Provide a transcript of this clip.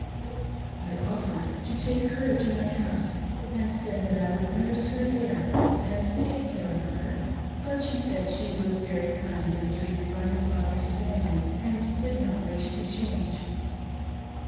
Z offered to take her to my house, and said I would nurse her there and take care of her ; but she said she was very kindly treated by her father's family and did not wish to change.